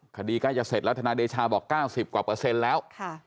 ใกล้จะเสร็จแล้วทนายเดชาบอก๙๐กว่าเปอร์เซ็นต์แล้ว